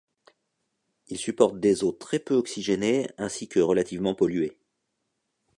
Ils supportent des eaux très peu oxygénées ainsi que relativement polluées.